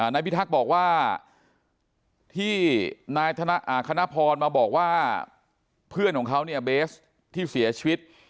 นายพิทักษ์บอกว่าที่นายคณะพรมาบอกว่าเพื่อนของเขาเนี่ยเบสที่เสียชีวิต